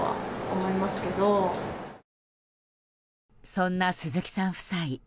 そんな鈴木さん夫妻。